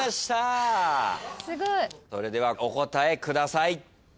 それではお答えください。